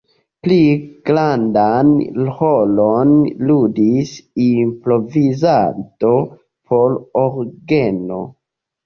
Pli grandan rolon ludis improvizado por orgeno.